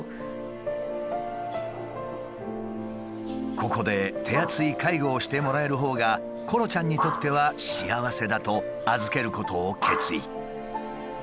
ここで手厚い介護をしてもらえるほうがコロちゃんにとっては幸せだと預けることを決意。